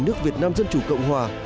nước việt nam dân chủ cộng hòa